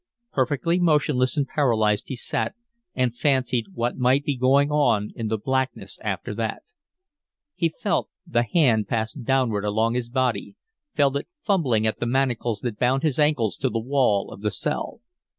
Perfectly motionless and paralyzed he sat and fancied what might be going on in the blackness after that. He felt, the hand pass downward along his body, felt it fumbling at the manacles that bound his ankles to the wall of the cell.